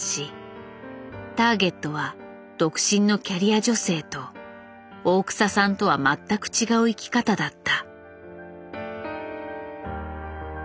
ターゲットは独身のキャリア女性と大草さんとは全く違う生き方だった。